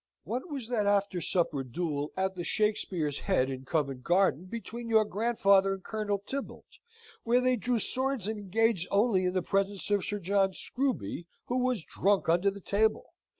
What was that after supper duel at the Shakspeare's Head in Covent Garden, between your grandfather and Colonel Tibbalt: where they drew swords and engaged only in the presence of Sir John Screwby, who was drunk under the table?